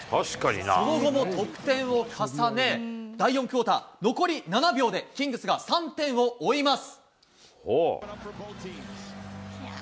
その後も得点を重ね、第４クオーター、残り７秒でキングスが３点を追います。